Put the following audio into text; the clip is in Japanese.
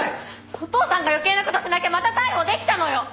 お父さんが余計なことしなきゃまた逮捕できたのよ！